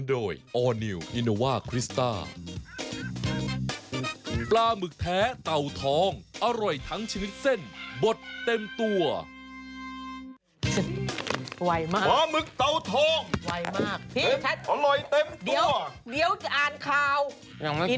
เดี๋ยวจะอ่านเงินอยู่นั่นแหละ